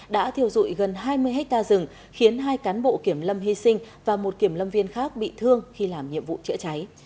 đã thiêu dụi gần hai mươi hectare rừng khiến hai cán bộ kiểm lâm hy sinh và một kiểm lâm viên khác bị thương khi làm nhiệm vụ chữa cháy